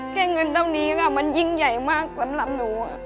แค่เงินเท่านี้ค่ะมันยิ่งใหญ่มากสำหรับหนู